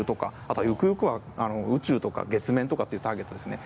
ゆくゆくは宇宙とか月面とかというターゲット。